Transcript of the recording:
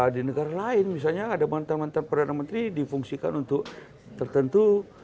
di negara lain misalnya ada mantan mantan perdana menteri difungsikan untuk tertentu